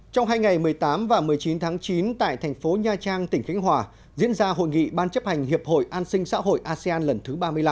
trong hai ngày một mươi tám và một mươi chín tháng chín tại thành phố nha trang tỉnh khánh hòa diễn ra hội nghị ban chấp hành hiệp hội an sinh xã hội asean lần thứ ba mươi năm